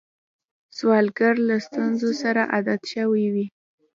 سوالګر له ستونزو سره عادت شوی وي